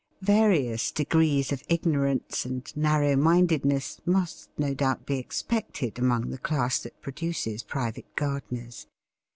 Various degrees of ignorance and narrow mindedness must no doubt be expected among the class that produces private gardeners.